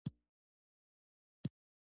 زړه د انسان اصلي قوت دی.